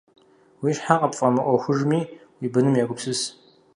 Уи щхьэ къыпфӀэмыӀуэхужми, уи быным егупсыс.